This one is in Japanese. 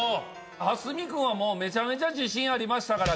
蓮見君はもうめちゃめちゃ自信ありましたから。